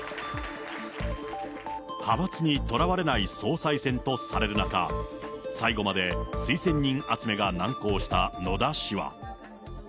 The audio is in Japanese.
派閥にとらわれない総裁選とされる中、最後まで推薦人集めが難航した野田氏は。